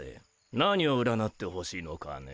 何を占ってほしいのかね？